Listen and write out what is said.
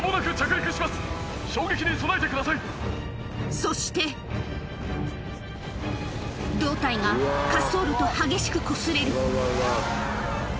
そして胴体が滑走路と激しくこすれる